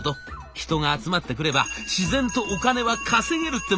人が集まってくれば自然とお金は稼げるってもんです。